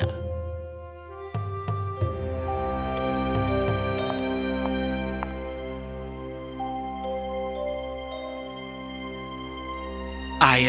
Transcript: ayah peri menemukan iris